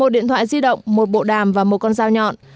một điện thoại di động một bộ đàm và một con dao nhọn